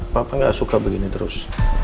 papa nggak suka begini terus